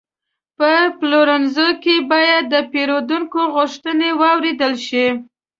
په پلورنځي کې باید د پیرودونکو غوښتنې واورېدل شي.